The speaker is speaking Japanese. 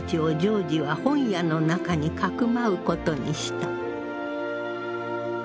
ジョージは本屋の中にかくまうことにした。